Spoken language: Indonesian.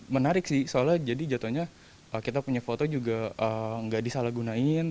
menarik sih soalnya jadi jatuhnya kita punya foto juga nggak disalahgunain